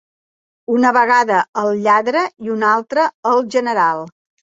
Una vegada al lladre, i una altra al general.